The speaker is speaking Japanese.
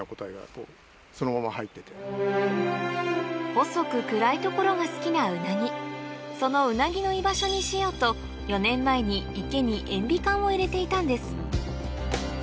細く暗い所が好きなウナギそのウナギの居場所にしようと４年前に池に塩ビ管を入れていたんです